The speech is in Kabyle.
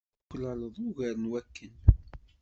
Tuklaleḍ ugar n wakken.